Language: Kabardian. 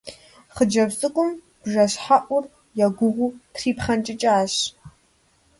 Хъыджэбз цӀыкӀум бжэщхьэӀур егугъуу трипхъэнкӀыкӀащ.